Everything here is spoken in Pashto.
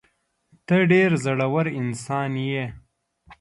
ته ډېر زړه ور انسان یې.